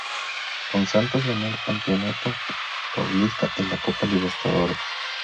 Con Santos ganó el Campeonato Paulista y la Copa Libertadores.